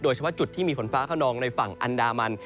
เฉพาะจุดที่มีฝนฟ้าขนองในฝั่งอันดามัน